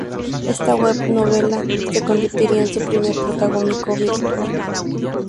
Esta web novela se convertiría en su primer protagónico virtual.